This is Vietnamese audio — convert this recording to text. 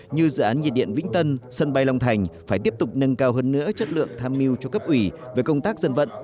như dự án nhiệt điện vĩnh tân sân bay long thành phải tiếp tục nâng cao hơn nữa chất lượng tham mưu cho cấp ủy về công tác dân vận